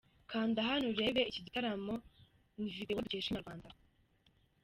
Kanda hano urebe iki gitaramo ni Video dukesha inyarwanda